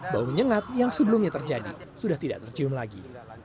bau menyengat yang sebelumnya terjadi sudah tidak tercium lagi